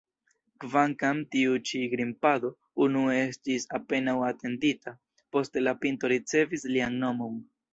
Kvankam tiu-ĉi grimpado unue estis apenaŭ atendita, poste la pinto ricevis lian nomon.